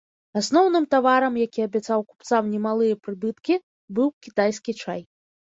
Асноўным таварам, які абяцаў купцам немалыя прыбыткі, быў кітайскі чай.